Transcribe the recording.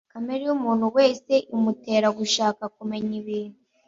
Kamere yumuntu wese imutera gushaka kumenya ibintu